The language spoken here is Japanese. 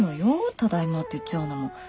「ただいま」って言っちゃうのも。